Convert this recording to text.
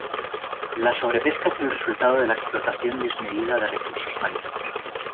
La sobrepesca es el resultado de la explotación desmedida de recursos marítimos.